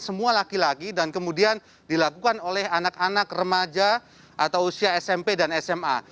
semua laki laki dan kemudian dilakukan oleh anak anak remaja atau usia smp dan sma